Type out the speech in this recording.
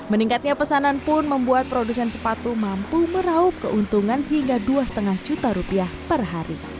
meningkatnya pesanan pun membuat produsen sepatu mampu meraup keuntungan hingga dua lima juta rupiah per hari